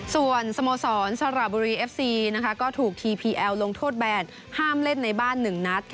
ส่วนสโมสรสระบุรีเอฟซีก็ถูกทีพีแอลลงโทษแบนห้ามเล่นในบ้าน๑นัด